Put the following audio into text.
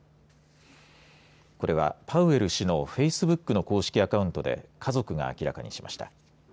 これは、パウエル氏のフェイスブックの公式アカウントで家族が明らかにしました。